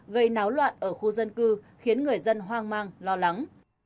gây náo loạn ở khu dân cư khiến người dân hoang mang lo lắng